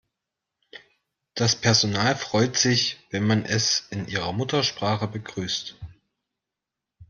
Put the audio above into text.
Das Personal freut sich, wenn man es in ihrer Muttersprache begrüßt.